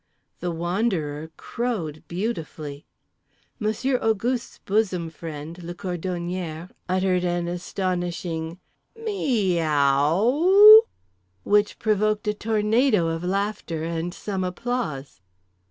The Wanderer crowed beautifully. Monsieur Auguste's bosom friend, le Cordonnier, uttered an astonishing: "Meeee ooooooOW!" which provoked a tornado of laughter and some applause.